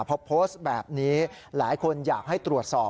พอโพสต์แบบนี้หลายคนอยากให้ตรวจสอบ